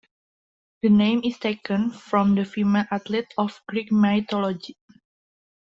The name is taken from the female athlete of Greek mythology.